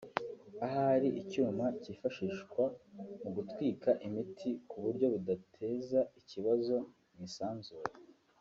ahari icyuma cyifashishwa mu gutwika imiti ku buryo budateza ikibazo mu isanzure